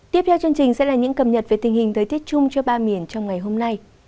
tiếp theo chương trình sẽ là những cập nhật về tình hình thời tiết chung cho ba miền trong ngày hôm nay